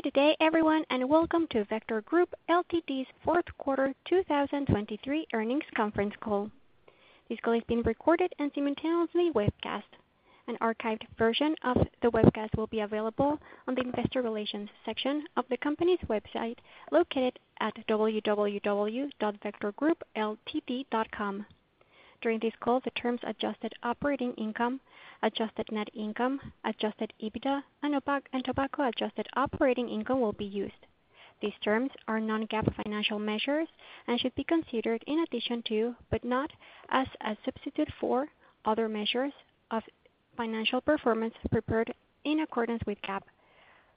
Good day, everyone, and welcome to Vector Group Ltd.'s Fourth Quarter 2023 Earnings Conference Call. This call is being recorded and simultaneously webcast. An archived version of the webcast will be available on the investor relations section of the company's website located at www.vectorgroupltd.com. During this call, the terms adjusted operating income, adjusted net income, adjusted EBITDA, and tobacco adjusted operating income will be used. These terms are non-GAAP financial measures and should be considered in addition to, but not as a substitute for, other measures of financial performance prepared in accordance with GAAP.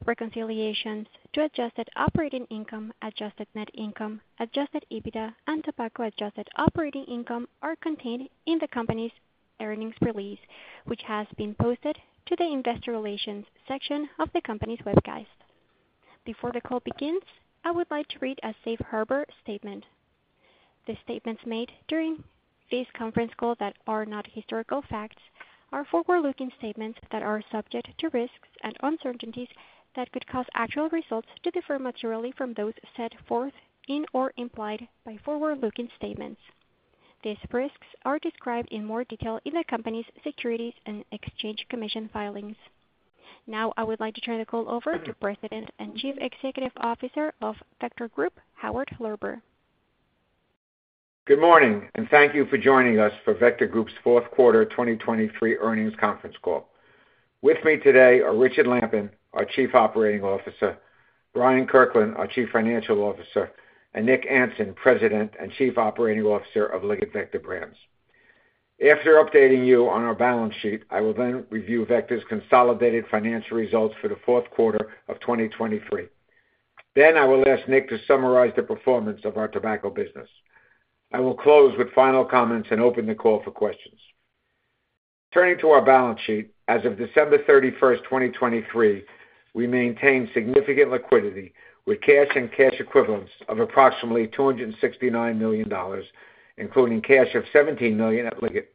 Reconciliations to adjusted operating income, adjusted net income, adjusted EBITDA, and tobacco adjusted operating income are contained in the company's earnings release, which has been posted to the investor relations section of the company's website. Before the call begins, I would like to read a Safe Harbor statement. The statements made during this conference call that are not historical facts are forward-looking statements that are subject to risks and uncertainties that could cause actual results to differ materially from those set forth in or implied by forward-looking statements. These risks are described in more detail in the company's Securities and Exchange Commission filings. Now I would like to turn the call over to President and Chief Executive Officer of Vector Group, Howard Lorber. Good morning, and thank you for joining us for Vector Group's Fourth Quarter 2023 Earnings Conference Call. With me today are Richard Lampen, our Chief Operating Officer, Bryant Kirkland, our Chief Financial Officer, and Nick Anson, President and Chief Operating Officer of Liggett Vector Brands. After updating you on our balance sheet, I will then review Vector's consolidated financial results for the fourth quarter of 2023. Then I will ask Nick to summarize the performance of our tobacco business. I will close with final comments and open the call for questions. Turning to our balance sheet, as of December 31, 2023, we maintained significant liquidity with cash and cash equivalents of approximately $269 million, including cash of $17 million at Liggett.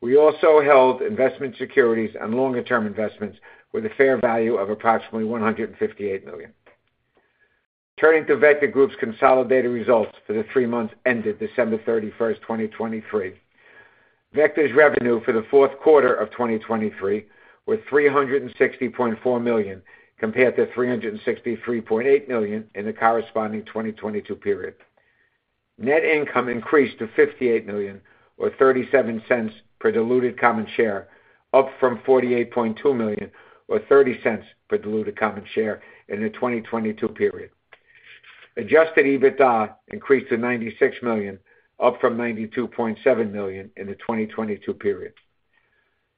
We also held investment securities and longer-term investments with a fair value of approximately $158 million. Turning to Vector Group's consolidated results for the three months ended December 31, 2023, Vector's revenue for the fourth quarter of 2023 was $360.4 million compared to $363.8 million in the corresponding 2022 period. Net income increased to $58 million or $0.37 per diluted common share, up from $48.2 million or $0.30 per diluted common share in the 2022 period. Adjusted EBITDA increased to $96 million, up from $92.7 million in the 2022 period.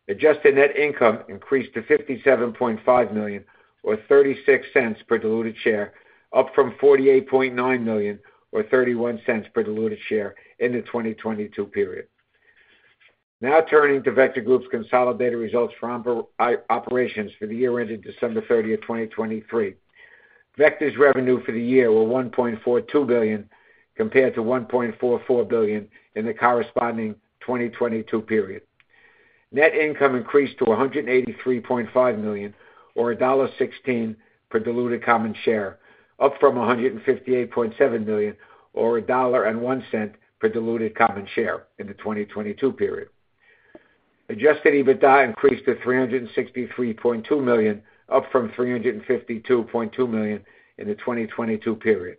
Adjusted net income increased to $57.5 million or $0.36 per diluted share, up from $48.9 million or $0.31 per diluted share in the 2022 period. Now turning to Vector Group's consolidated results for operations for the year ended December 30, 2023, Vector's revenue for the year was $1.42 billion compared to $1.44 billion in the corresponding 2022 period. Net income increased to $183.5 million or $1.16 per diluted common share, up from $158.7 million or $1.01 per diluted common share in the 2022 period. Adjusted EBITDA increased to $363.2 million, up from $352.2 million in the 2022 period.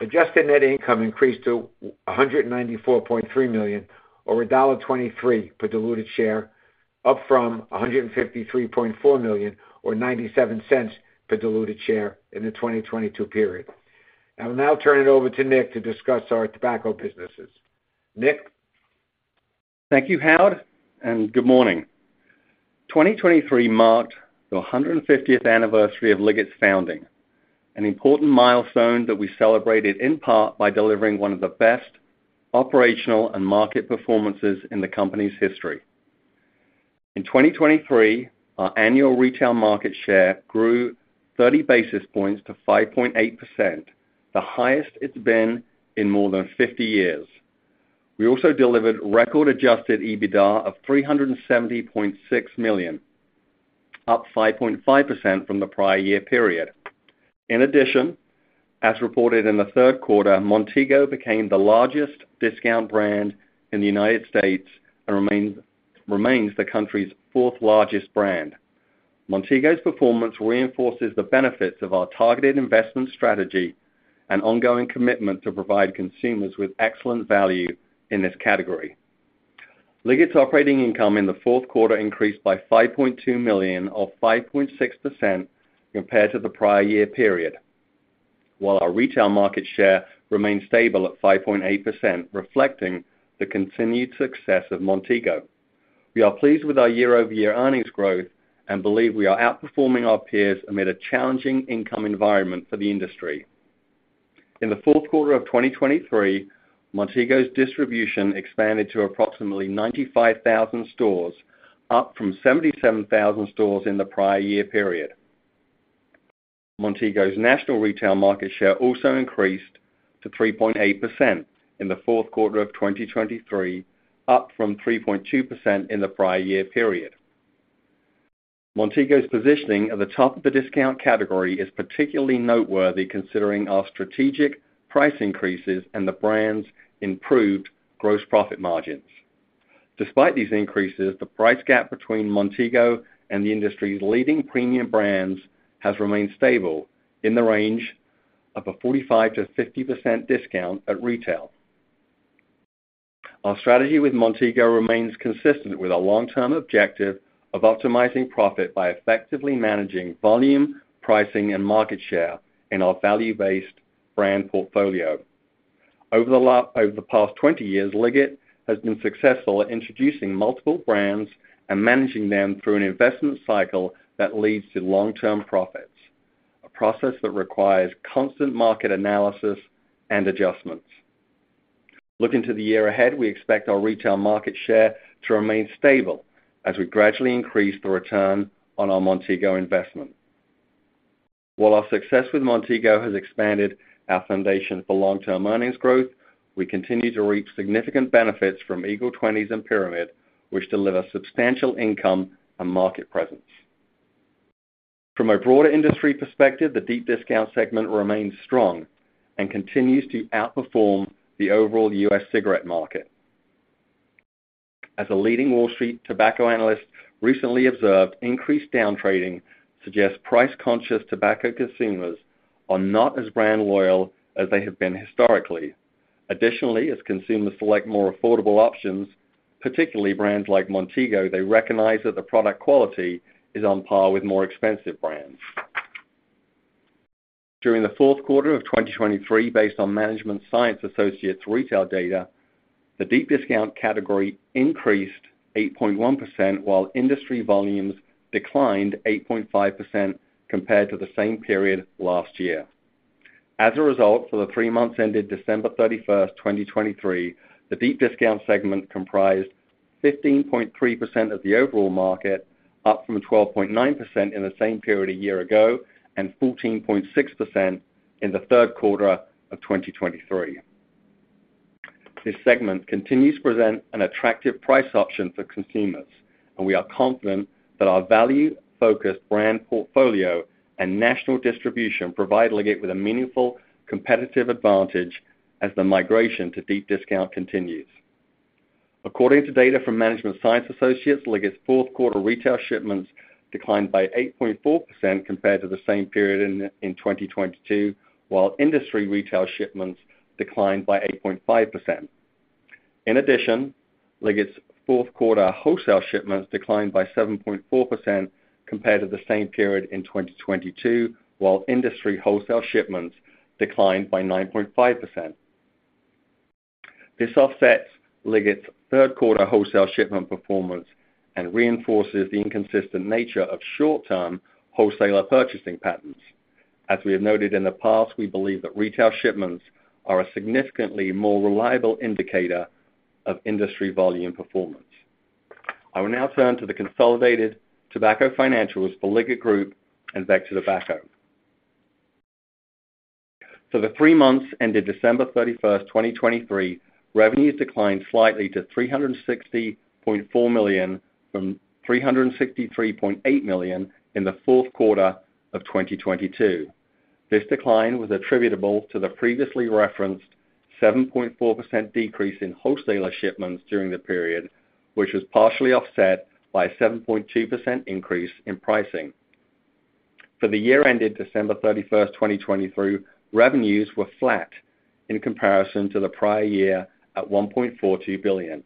Adjusted net income increased to $194.3 million or $1.23 per diluted share, up from $153.4 million or $0.97 per diluted share in the 2022 period. I will now turn it over to Nick to discuss our tobacco businesses. Nick? Thank you, Howard, and good morning. 2023 marked the 150th anniversary of Liggett's founding, an important milestone that we celebrated in part by delivering one of the best operational and market performances in the company's history. In 2023, our annual retail market share grew 30 basis points to 5.8%, the highest it's been in more than 50 years. We also delivered record-adjusted EBITDA of $370.6 million, up 5.5% from the prior year period. In addition, as reported in the third quarter, Montego became the largest discount brand in the United States and remains the country's fourth-largest brand. Montego's performance reinforces the benefits of our targeted investment strategy and ongoing commitment to provide consumers with excellent value in this category. Liggett's operating income in the fourth quarter increased by $5.2 million or 5.6% compared to the prior year period, while our retail market share remained stable at 5.8%, reflecting the continued success of Montego. We are pleased with our year-over-year earnings growth and believe we are outperforming our peers amid a challenging income environment for the industry. In the fourth quarter of 2023, Montego's distribution expanded to approximately 95,000 stores, up from 77,000 stores in the prior year period. Montego's national retail market share also increased to 3.8% in the fourth quarter of 2023, up from 3.2% in the prior year period. Montego's positioning at the top of the discount category is particularly noteworthy considering our strategic price increases and the brand's improved gross profit margins. Despite these increases, the price gap between Montego and the industry's leading premium brands has remained stable in the range of a 45%-50% discount at retail. Our strategy with Montego remains consistent with our long-term objective of optimizing profit by effectively managing volume, pricing, and market share in our value-based brand portfolio. Over the past 20 years, Liggett has been successful at introducing multiple brands and managing them through an investment cycle that leads to long-term profits, a process that requires constant market analysis and adjustments. Looking to the year ahead, we expect our retail market share to remain stable as we gradually increase the return on our Montego investment. While our success with Montego has expanded our foundation for long-term earnings growth, we continue to reap significant benefits from Eagle 20's and Pyramid, which deliver substantial income and market presence. From a broader industry perspective, the deep discount segment remains strong and continues to outperform the overall U.S. cigarette market. As a leading Wall Street tobacco analyst recently observed, increased downtrading suggests price-conscious tobacco consumers are not as brand loyal as they have been historically. Additionally, as consumers select more affordable options, particularly brands like Montego, they recognize that the product quality is on par with more expensive brands. During the fourth quarter of 2023, based on Management Science Associates' retail data, the deep discount category increased 8.1% while industry volumes declined 8.5% compared to the same period last year. As a result, for the three months ended December 31, 2023, the deep discount segment comprised 15.3% of the overall market, up from 12.9% in the same period a year ago and 14.6% in the third quarter of 2023. This segment continues to present an attractive price option for consumers, and we are confident that our value-focused brand portfolio and national distribution provide Liggett with a meaningful competitive advantage as the migration to deep discount continues. According to data from Management Science Associates, Liggett's fourth quarter retail shipments declined by 8.4% compared to the same period in 2022, while industry retail shipments declined by 8.5%. In addition, Liggett's fourth quarter wholesale shipments declined by 7.4% compared to the same period in 2022, while industry wholesale shipments declined by 9.5%. This offsets Liggett's third quarter wholesale shipment performance and reinforces the inconsistent nature of short-term wholesaler purchasing patterns. As we have noted in the past, we believe that retail shipments are a significantly more reliable indicator of industry volume performance. I will now turn to the consolidated tobacco financials for Liggett Group and Vector Tobacco. For the three months ended December 31, 2023, revenues declined slightly to $360.4 million from $363.8 million in the fourth quarter of 2022. This decline was attributable to the previously referenced 7.4% decrease in wholesaler shipments during the period, which was partially offset by a 7.2% increase in pricing. For the year ended December 31, 2023, revenues were flat in comparison to the prior year at $1.42 billion.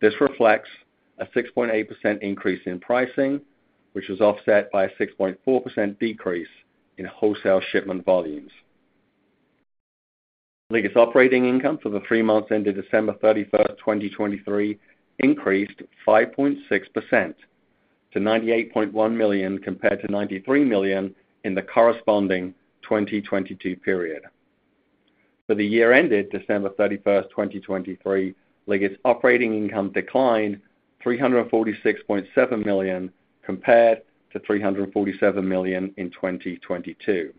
This reflects a 6.8% increase in pricing, which was offset by a 6.4% decrease in wholesale shipment volumes. Liggett's operating income for the three months ended December 31, 2023, increased 5.6% to $98.1 million compared to $93 million in the corresponding 2022 period. For the year ended December 31, 2023, Liggett's operating income declined $346.7 million compared to $347 million in 2022.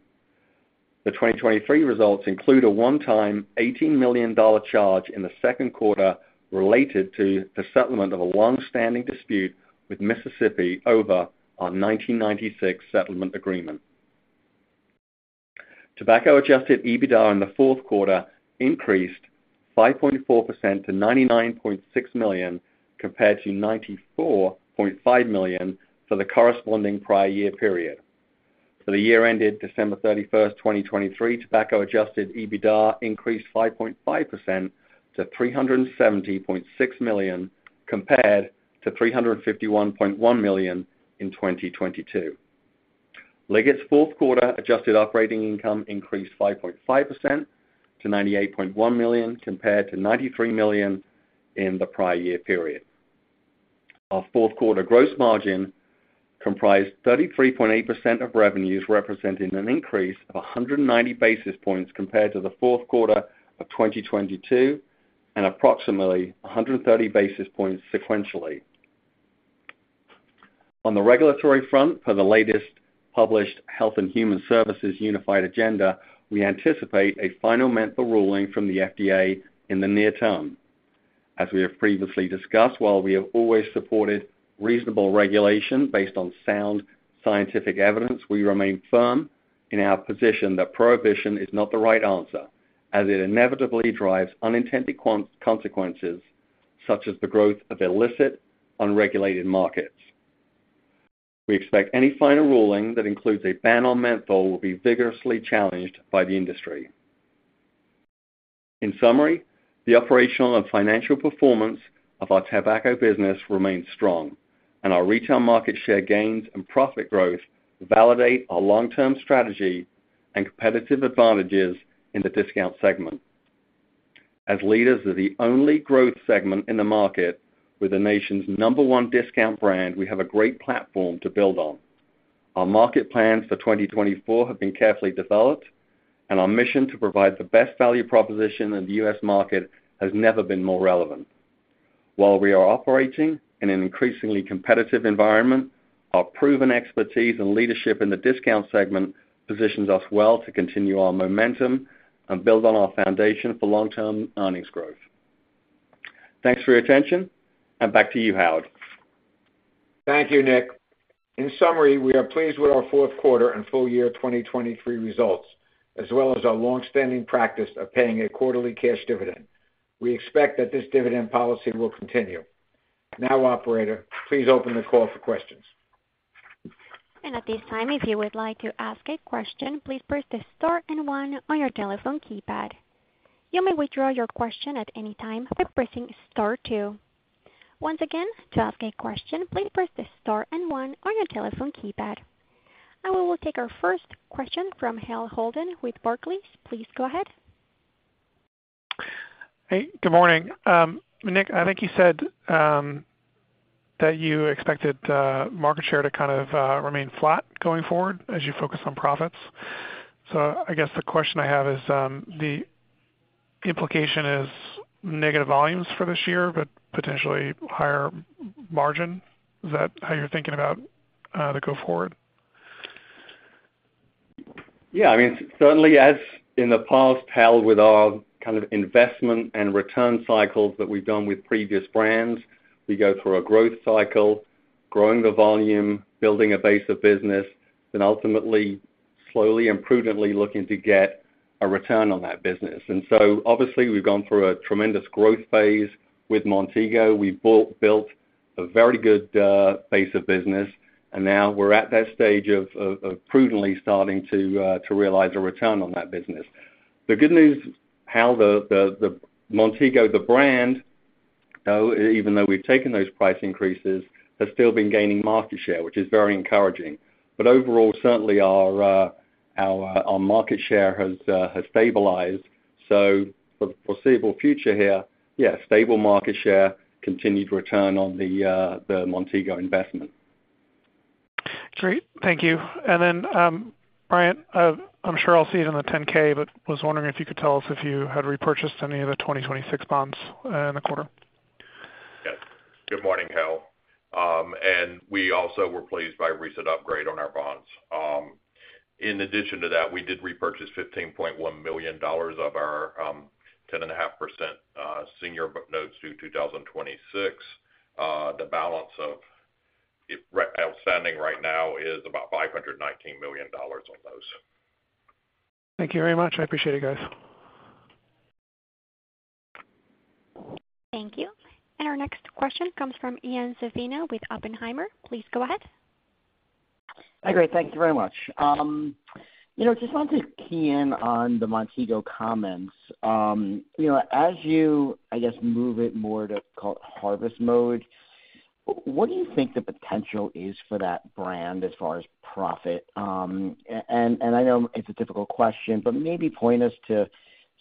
The 2023 results include a one-time $18 million charge in the second quarter related to the settlement of a longstanding dispute with Mississippi over our 1996 settlement agreement. Tobacco-adjusted EBITDA in the fourth quarter increased 5.4% to $99.6 million compared to $94.5 million for the corresponding prior year period. For the year ended December 31, 2023, tobacco-adjusted EBITDA increased 5.5% to $370.6 million compared to $351.1 million in 2022. Liggett's fourth quarter adjusted operating income increased 5.5% to $98.1 million compared to $93 million in the prior year period. Our fourth quarter gross margin comprised 33.8% of revenues, representing an increase of 190 basis points compared to the fourth quarter of 2022 and approximately 130 basis points sequentially. On the regulatory front, per the latest published Health and Human Services Unified Agenda, we anticipate a final menthol ruling from the FDA in the near term. As we have previously discussed, while we have always supported reasonable regulation based on sound scientific evidence, we remain firm in our position that prohibition is not the right answer, as it inevitably drives unintended consequences such as the growth of illicit, unregulated markets. We expect any final ruling that includes a ban on menthol will be vigorously challenged by the industry. In summary, the operational and financial performance of our tobacco business remains strong, and our retail market share gains and profit growth validate our long-term strategy and competitive advantages in the discount segment. As leaders of the only growth segment in the market, with the nation's number one discount brand, we have a great platform to build on. Our market plans for 2024 have been carefully developed, and our mission to provide the best value proposition in the U.S. market has never been more relevant. While we are operating in an increasingly competitive environment, our proven expertise and leadership in the discount segment positions us well to continue our momentum and build on our foundation for long-term earnings growth. Thanks for your attention, and back to you, Howard. Thank you, Nick. In summary, we are pleased with our fourth quarter and full year 2023 results, as well as our longstanding practice of paying a quarterly cash dividend. We expect that this dividend policy will continue. Now, operator, please open the call for questions. At this time, if you would like to ask a question, please press the star and one on your telephone keypad. You may withdraw your question at any time by pressing star two. Once again, to ask a question, please press the star and one on your telephone keypad. We will take our first question from Hale Holden with Barclays. Please go ahead. Hey, good morning. Nick, I think you said that you expected market share to kind of remain flat going forward as you focus on profits. So I guess the question I have is, the implication is negative volumes for this year but potentially higher margin. Is that how you're thinking about the go forward? Yeah. I mean, certainly, as in the past, parallel with our kind of investment and return cycles that we've done with previous brands, we go through a growth cycle, growing the volume, building a base of business, then ultimately, slowly and prudently looking to get a return on that business. And so obviously, we've gone through a tremendous growth phase with Montego. We've built a very good base of business, and now we're at that stage of prudently starting to realize a return on that business. The good news, Hale, the Montego, the brand, even though we've taken those price increases, has still been gaining market share, which is very encouraging. But overall, certainly, our market share has stabilized. So for the foreseeable future here, yeah, stable market share, continued return on the Montego investment. Great. Thank you. And then, Bryant, I'm sure I'll see it in the 10-K, but was wondering if you could tell us if you had repurchased any of the 2026 bonds in the quarter? Yes. Good morning, Hale. We also were pleased by a recent upgrade on our bonds. In addition to that, we did repurchase $15.1 million of our 10.5% senior notes due 2026. The balance of outstanding right now is about $519 million on those. Thank you very much. I appreciate it, guys. Thank you. Our next question comes from Ian Zaffino with Oppenheimer. Please go ahead. I agree. Thank you very much. I just wanted to key in on the Montego comments. As you, I guess, move it more to, call it, harvest mode, what do you think the potential is for that brand as far as profit? And I know it's a difficult question, but maybe point us to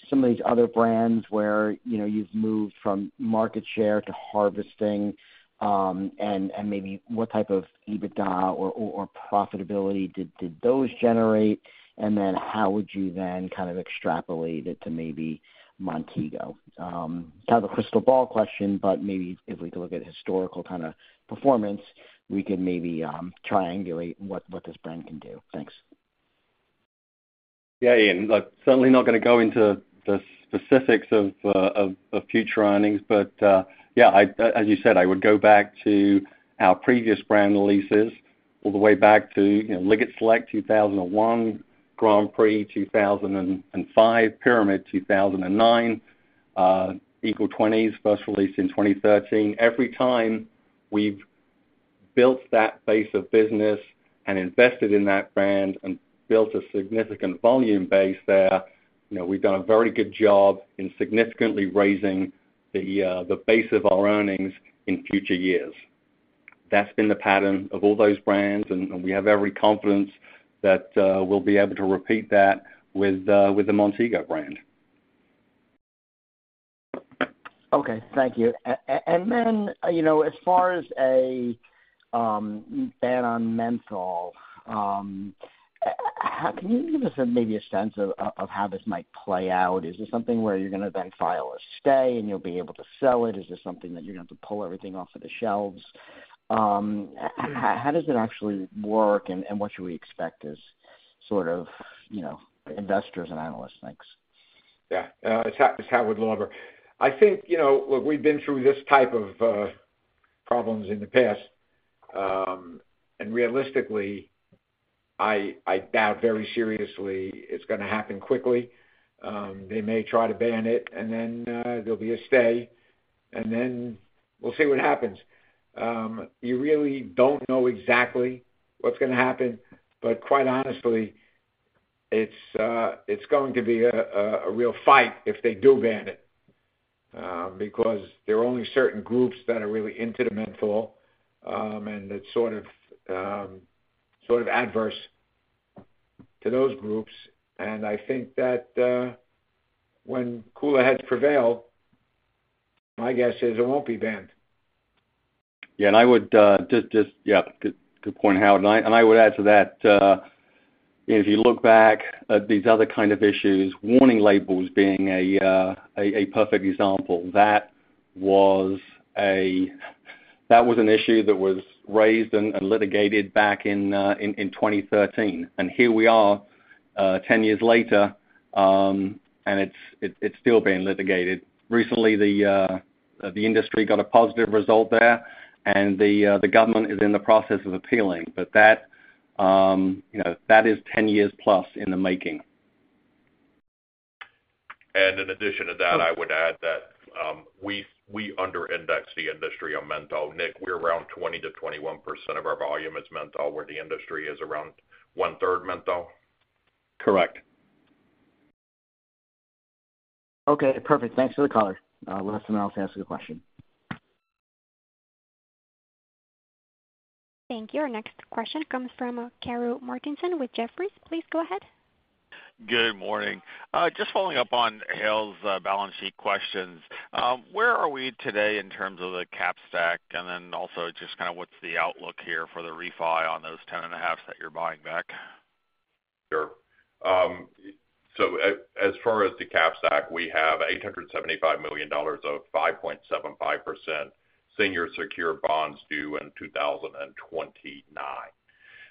some of these other brands where you've moved from market share to harvesting, and maybe what type of EBITDA or profitability did those generate? And then how would you then kind of extrapolate it to maybe Montego? Kind of a crystal ball question, but maybe if we could look at historical kind of performance, we could maybe triangulate what this brand can do. Thanks. Yeah, Ian. Certainly not going to go into the specifics of future earnings, but yeah, as you said, I would go back to our previous brand releases, all the way back to Liggett Select 2001, Grand Prix 2005, Pyramid 2009, Eagle 20's first released in 2013. Every time we've built that base of business and invested in that brand and built a significant volume base there, we've done a very good job in significantly raising the base of our earnings in future years. That's been the pattern of all those brands, and we have every confidence that we'll be able to repeat that with the Montego brand. Okay. Thank you. And then as far as a ban on menthol, can you give us maybe a sense of how this might play out? Is this something where you're going to then file a stay, and you'll be able to sell it? Is this something that you're going to have to pull everything off of the shelves? How does it actually work, and what should we expect as sort of investors and analysts? Thanks. Yeah. It's Howard Lorber. I think, look, we've been through this type of problems in the past. Realistically, I doubt very seriously it's going to happen quickly. They may try to ban it, and then there'll be a stay, and then we'll see what happens. You really don't know exactly what's going to happen, but quite honestly, it's going to be a real fight if they do ban it because there are only certain groups that are really into the menthol, and it's sort of adverse to those groups. I think that when cooler heads prevail, my guess is it won't be banned. Yeah. And I would just, yeah, good point, Howard. And I would add to that, Ian, if you look back at these other kind of issues, warning labels being a perfect example, that was an issue that was raised and litigated back in 2013. And here we are 10 years later, and it's still being litigated. Recently, the industry got a positive result there, and the government is in the process of appealing. But that is 10 years plus in the making. In addition to that, I would add that we underindex the industry on menthol. Nick, we're around 20%-21% of our volume is menthol, where the industry is around one-third menthol. Correct. Okay. Perfect. Thanks for the color. I'll let someone else to ask you a question. Thank you. Our next question comes from Karru Martinson with Jefferies. Please go ahead. Good morning. Just following up on Hale's balance sheet questions. Where are we today in terms of the cap stack? And then also just kind of what's the outlook here for the refi on those 10.5 that you're buying back? Sure. So as far as the cap stack, we have $875 million of 5.75% senior secured bonds due in 2029.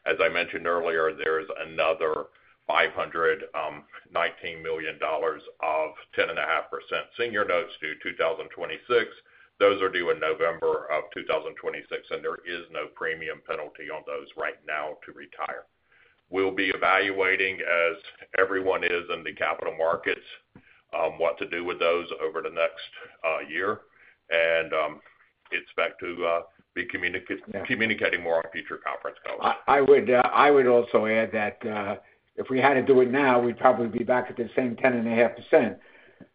As I mentioned earlier, there is another $519 million of 10.5% senior notes due 2026. Those are due in November of 2026, and there is no premium penalty on those right now to retire. We'll be evaluating, as everyone is in the capital markets, what to do with those over the next year. And it's back to be communicating more on future conference calls. I would also add that if we had to do it now, we'd probably be back at the same 10.5%.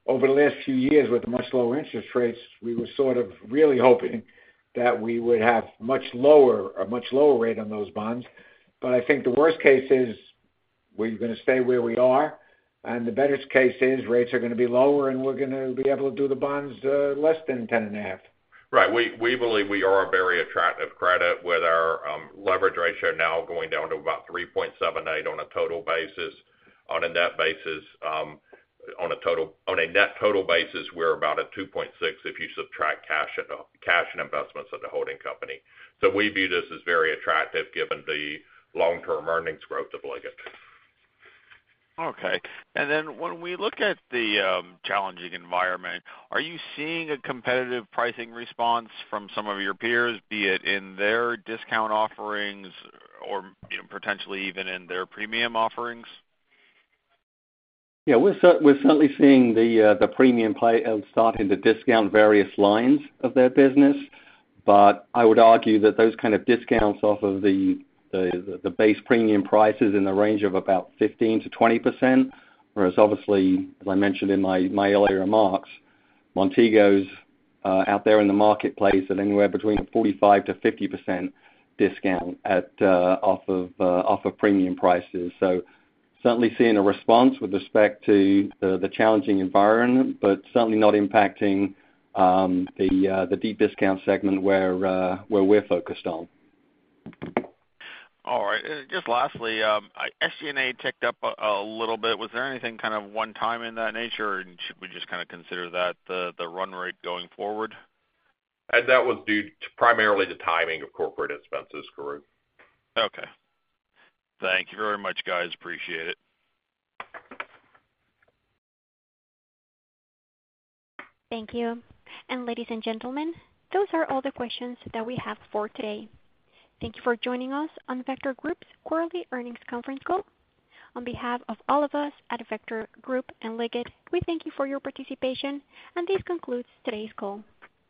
Over the last few years with the much lower interest rates, we were sort of really hoping that we would have a much lower rate on those bonds. But I think the worst case is we're going to stay where we are, and the better case is rates are going to be lower, and we're going to be able to do the bonds less than 10.5%. Right. We believe we are a very attractive credit with our leverage ratio now going down to about 3.78 on a total basis. On a net total basis, we're about at 2.6 if you subtract cash and investments at the holding company. So we view this as very attractive given the long-term earnings growth of Liggett. Okay. And then when we look at the challenging environment, are you seeing a competitive pricing response from some of your peers, be it in their discount offerings or potentially even in their premium offerings? Yeah. We're certainly seeing the premium starting to discount various lines of their business. But I would argue that those kind of discounts off of the base premium prices in the range of about 15%-20%, whereas obviously, as I mentioned in my earlier remarks, Montego's out there in the marketplace at anywhere between a 45%-50% discount off of premium prices. So certainly seeing a response with respect to the challenging environment, but certainly not impacting the deep discount segment where we're focused on. All right. Just lastly, SG&A ticked up a little bit. Was there anything kind of one-time in that nature, or should we just kind of consider that the run rate going forward? That was due primarily to timing of corporate expenses, correct? Okay. Thank you very much, guys. Appreciate it. Thank you. Ladies and gentlemen, those are all the questions that we have for today. Thank you for joining us on Vector Group's quarterly Earnings Conference Call. On behalf of all of us at Vector Group and Liggett, we thank you for your participation, and this concludes today's call.